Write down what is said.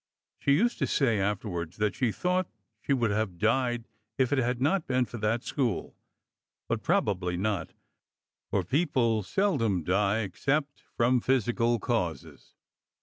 She used to say afterwards that she thought she would have died if it had not been for that school; but probably not, for people seldom die except from physical causes.